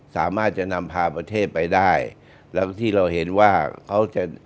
สามารถจะนำพาประเทศไปได้แล้วที่เราเห็นว่าเขาจะ